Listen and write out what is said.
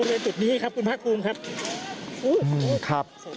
ก็จะถึงประตูหรือว่าตอนนี้เจ้าหน้าที่กันไว้ทั้งสองฝั่งแล้วใช่มั้ยครับ